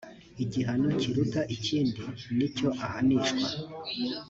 igihano kiruta ikindi nicyo ahanishwa.